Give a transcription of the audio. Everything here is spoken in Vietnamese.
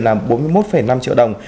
là bốn mươi một năm triệu đồng